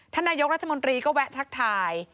ท่านนายกรัฐมนตรีก็แวะทักทาย